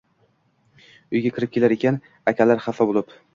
uyga kirib kelar ekan. Akalari xafa bo’lib: